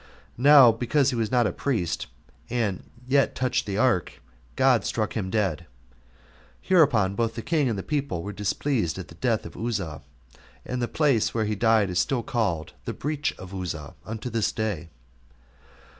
Now, because he was not a priest 7 and yet touched the ark, God struck him dead. Hereupon both the king and the people were displeased at the death of Uzzah; and the place where he died is still called the Breach of Uzzah unto this day.